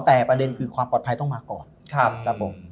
แต่ประเด็นความปลอดภัยควรต้องมาก่อน